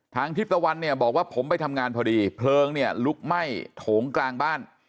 ทิพตะวันเนี่ยบอกว่าผมไปทำงานพอดีเพลิงเนี่ยลุกไหม้โถงกลางบ้าน